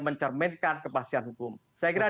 mencerminkan kepastian hukum saya kira